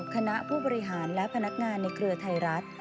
คณะผู้บริหารและพนักงานในเครือไทยรัฐ